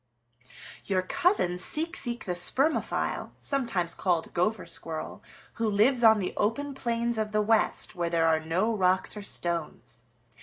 "Your cousin, Seek Seek the Spermophile, sometimes called Gopher Squirrel, who lives on the open plains of the West where there are no rocks or stones.